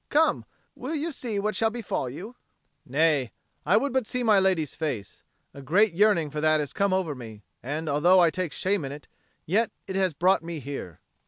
"Come, will you see what shall befall you?" "Nay, I would but see my lady's face; a great yearning for that has come over me, and, although I take shame in it, yet it has brought me here."